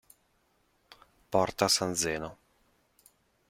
Porta San Zeno